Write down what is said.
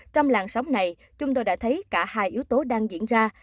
trong làng sóng này chúng tôi đã thấy cả hai yếu tố đang diễn ra